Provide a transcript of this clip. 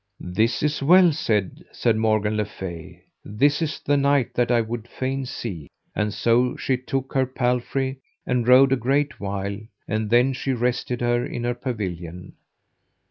This is well said, said Morgan le Fay, this is the knight that I would fain see. And so she took her palfrey, and rode a great while, and then she rested her in her pavilion.